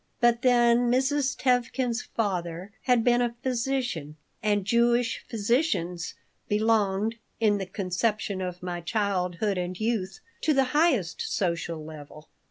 But then Mrs. Tevkin's father had been a physician, and Jewish physicians belonged, in the conception of my childhood and youth, to the highest social level.